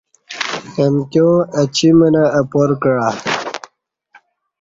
امکیاں اہ چی منہ اپار کعہ